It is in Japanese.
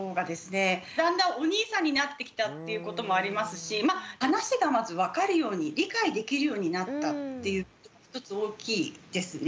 だんだんお兄さんになってきたっていうこともありますし話がまず分かるように理解できるようになったって１つ大きいですね。